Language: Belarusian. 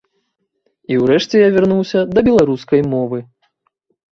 І ўрэшце я вярнуўся да беларускай мовы.